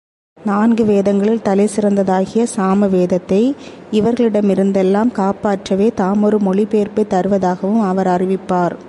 நான்கு வேதங்களில் தலைசிறந்ததாகிய சாமவேதத்தை இவர்களிடமிருந்தெல்லாம் காப்பாற்றவே தாம் ஒரு மொழிபெயர்ப்பைத் தருவதாகவும் அவர் அறிவிப்பார்.